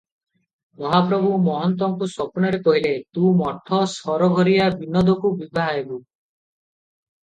ମହାପ୍ରଭୁ ମହନ୍ତକୁ ସ୍ୱପ୍ନରେ କହିଲେ, 'ତୁ ମଠ ସରଘରିଆ ବିନୋଦକୁ ବିଭା ହେବୁ ।"